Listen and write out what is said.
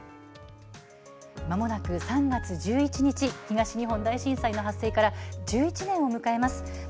まもなく３月１１日東日本大震災の発生から１１年を迎えます。